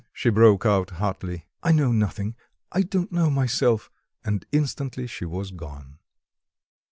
she broke out hotly. "I know nothing; I don't know myself." And instantly she was gone.